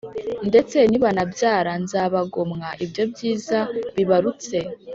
Ndetse nibanabyara, nzabagomwa ibyo byiza bibarutse.